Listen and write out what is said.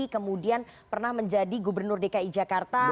kemudian pernah menjadi gubernur dki jakarta